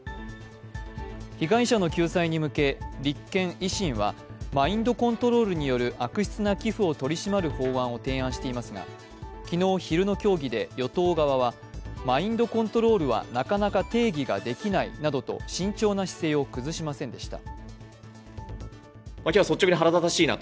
被害者の救済に向け立憲・維新はマインドコントロールによる悪質な寄付を取り締まる法案を提案していますが、昨日昼の協議で与党側はマインドコントロールはなかなか定義ができないなどと慎重な姿勢を崩しませんでした。